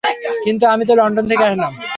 কিন্তু আমি তো লন্ডন থেকে আসলাম।